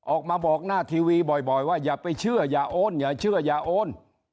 ออกมาบอกหน้าทีวีบ่อยว่าอย่าไปเชื่ออย่าโอนอย่าเชื่ออย่าโอน